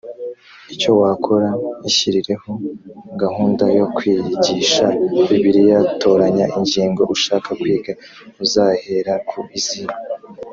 icyo wakora ishyirireho gahunda yo kwiyigisha bibiliya toranya ingingo ushaka kwiga uzahera ku zihe